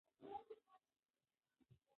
که تاسو تاریخ ولولئ نو په حقیقت به پوه شئ.